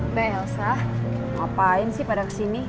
mbak elsa ngapain sih pada kesini